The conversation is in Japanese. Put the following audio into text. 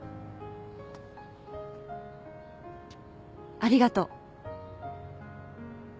ありがとう。